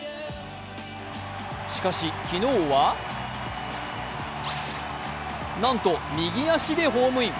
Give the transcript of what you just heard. しかし昨日はなんと右足でホームイン。